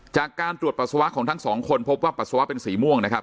จากการตรวจปัสสาวะของทั้งสองคนพบว่าปัสสาวะเป็นสีม่วงนะครับ